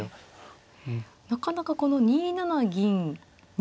なかなかこの２七銀２八飛車